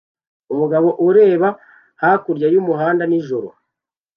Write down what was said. Umugabo areba hakurya y'umuhanda nijoro